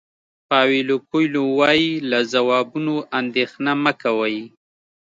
پاویلو کویلو وایي له ځوابونو اندېښنه مه کوئ.